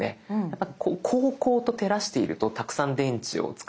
やっぱこうこうと照らしているとたくさん電池を使っています。